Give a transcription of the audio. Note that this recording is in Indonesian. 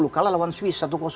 kalah lawan swiss satu